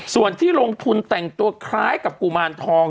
ส่วนที่ลงทุนแต่งตัวคล้ายกับกุมารทอง